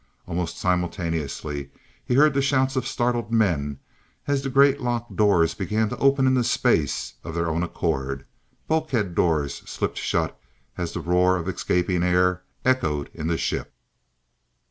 Almost simultaneously he heard the shouts of startled men as the great lock doors began to open into space of their own accord, bulkhead doors slipped shut as the roar of escaping air echoed in the ship.